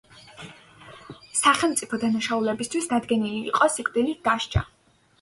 სახელმწიფო დანაშაულისათვის დადგენილი იყო სიკვდილით დასჯა.